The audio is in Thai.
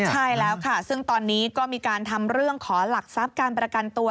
ใช่แล้วค่ะซึ่งตอนนี้ก็มีการทำเรื่องขอหลักทรัพย์การประกันตัว